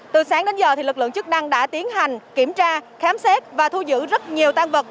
từ sáng đến giờ lực lượng chức năng đã tiến hành kiểm tra khám xét và thu giữ rất nhiều tan vật